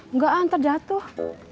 nggak ntar jatuh